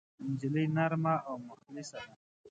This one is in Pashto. نجلۍ نرمه او مخلصه ده.